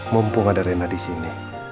mumpung ada rena disini